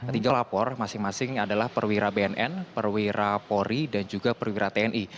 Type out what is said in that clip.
tiga lapor masing masing adalah perwira bnn perwira polri dan juga perwira tni